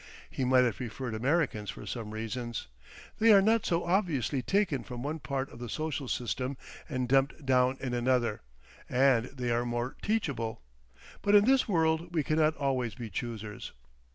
He might have preferred Americans for some reasons; they are not so obviously taken from one part of the social system and dumped down in another, and they are more teachable; but in this world we cannot always be choosers.